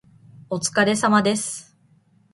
お疲れ様です